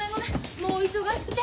もう忙しくて。